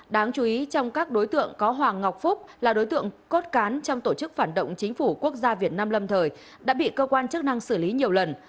đáng chú ý trong các đối tượng có hoàng ngọc phúc là đối tượng cốt cán trong tổ chức phản động chính phủ quốc gia việt nam lâm thời đã bị cơ quan chức năng xử lý nhiều lần